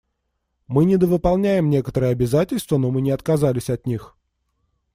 Мы недовыполняем некоторые обязательства, но мы не отказались от них.